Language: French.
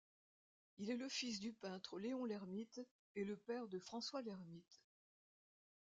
Il est le fils du peintre Léon Lhermitte et le père de François Lhermitte.